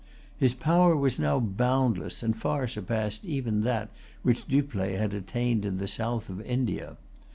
His power was now boundless, and far surpassed even that which Dupleix had attained in the south of India.